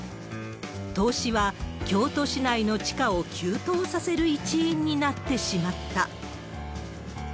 投資は京都市内の地価を急騰させる一因になってしまった。